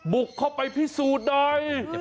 บุกเข้าไปพิสูจน์ใด